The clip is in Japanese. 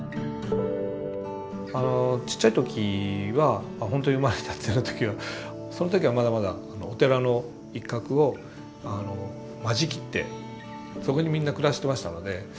あのちっちゃい時は本当に生まれたての時はその時はまだまだお寺の一画を間仕切ってそこにみんな暮らしてましたので。